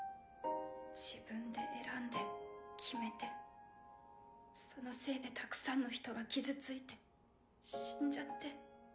・自分で選んで決めて・そのせいでたくさんの人が傷ついて・死んじゃって。